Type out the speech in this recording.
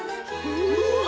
うわ！